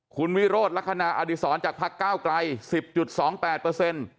คุณวิโรธลักษณะอดีศรจากพักก้าวไกล๑๐๒๘เปอร์เซ็นต์